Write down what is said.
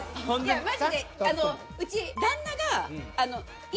いやマジでうち旦那が。